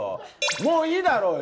もういいだろうよ。